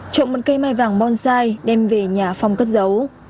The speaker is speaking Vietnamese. trộm một cây mai vàng bonsai đem về nhà phong cất giấu